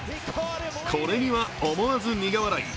これには思わず苦笑い。